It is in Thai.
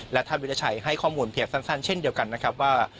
และท่านวิทยาชัยให้ข้อมูลเพียงสั้นเช่นเดียวกันนะครับว่า